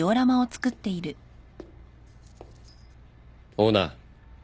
オーナー。